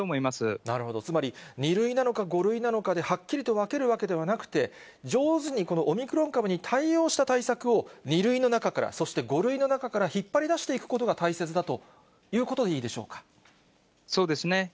つまり２類なのか５類なのかではっきりと分けるわけではなくて、上手にこのオミクロン株に対応した対策を２類の中から、そして５類の中から引っ張り出していくことが大切だということでいいでしそうですね。